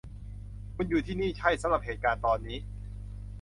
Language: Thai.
คุณอยู่ที่นี่ ใช่-สำหรับเหตุการณ์ตอนนี้